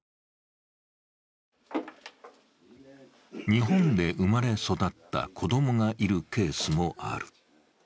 日本で生まれ育った子供がいるケースもある。